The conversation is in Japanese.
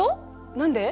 何で？